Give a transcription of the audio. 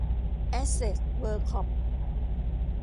แอสเสท เวิรด์ คอร์ป